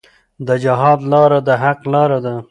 د جهاد لاره د حق لاره ده.